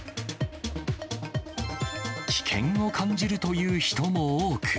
危険を感じるという人も多く。